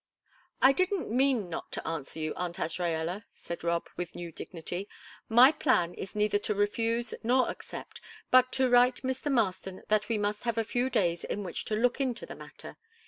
"I didn't mean not to answer you, Aunt Azraella," said Rob, with new dignity. "My plan is neither to refuse nor accept, but to write Mr. Marston that we must have a few days in which to look into the matter.